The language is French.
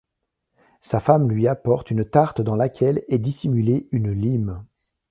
Sa femme lui apporte une tarte dans laquelle est dissimulée une lime.